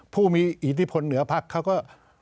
ผู้มีอิทธิพลเหนือพักเขาก็